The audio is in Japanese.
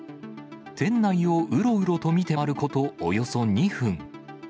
店内をうろうろと見て回ること、およそ２分。